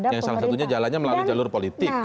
yang salah satunya jalannya melalui jalur politik